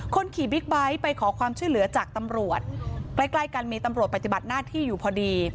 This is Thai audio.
คนขี่บิ๊กไบท์ไปขอความช่วยเหลือจากตำรวจใกล้ใกล้กันมีตำรวจปฏิบัติหน้าที่อยู่พอดี